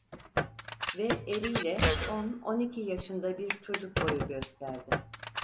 Ve eliyle on on iki yaşında bir çocuk boyu gösterdi.